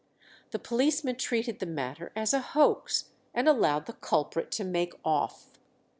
The policemen treated the matter as a hoax, and allowed the culprit to make off.